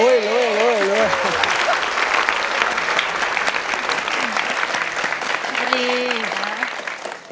อาจารย์ไม่ออกวะ